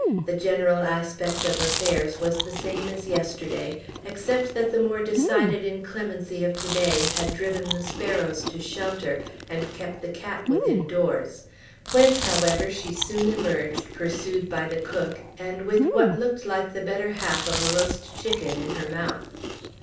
The general aspect of affairs was the same as yesterday, except that the more decided inclemency of to day had driven the sparrows to shelter, and kept the cat within doors; whence, however, she soon emerged, pursued by the cook, and with what looked like the better half of a roast chicken in her mouth.